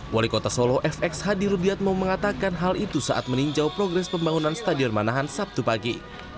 wali kota solo fx hadi rubiatmo mengatakan hal itu saat meninjau progres pembangunan stadion manahan sabtu pagi